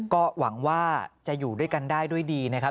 ก็หวังว่าจะอยู่ด้วยกันได้ด้วยดีนะครับ